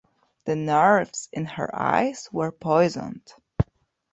The nerves in her eyes were poisoned.